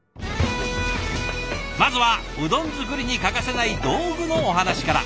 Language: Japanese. まずはうどん作りに欠かせない道具のお話から。